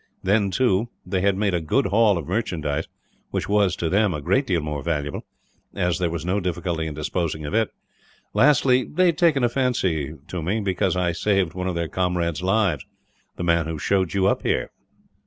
Then, too, they had made a good haul of merchandise which was, to them, a great deal more valuable, as there was no difficulty in disposing of it. Lastly, they had taken a fancy to me, because I saved one of their comrade's lives the man who showed you up here."